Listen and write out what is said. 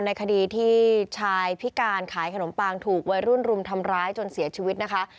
ในคดีที่ชายพิการขายขนมปังถูกวัยรุ่นรุมทำร้ายจนเสียชีวิตนะคะ